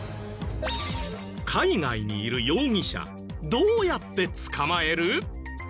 海外にいる容疑者どうやって捕まえる？